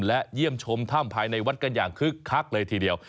และเยี่ยมชมถ้ำภายในวัดกันอย่างคึกคักเลยทีเดียว